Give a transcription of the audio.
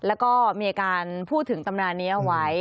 แล้วก็มีการพูดถึงตำนานนี้เอาไว้